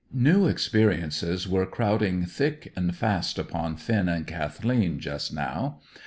New experiences were crowding thick and fast upon Finn and Kathleen just now.